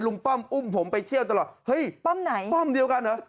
ป้อมอุ้มผมไปเที่ยวตลอดเฮ้ยป้อมไหนป้อมเดียวกันเหรอ